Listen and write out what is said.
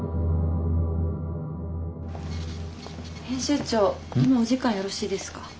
編集長今お時間よろしいですか。